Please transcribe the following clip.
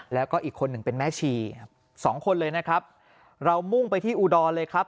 แล้วก็อีกคนหนึ่งเป็นแม่ชีสองคนเลยนะครับเรามุ่งไปที่อุดรเลยครับ